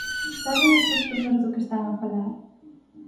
Saben estas persoas do que están a falar?